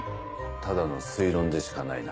ただの推論でしかないな。